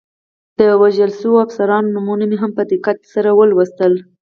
د وژل شویو افسرانو نومونه مې هم په دقت سره ولوستل.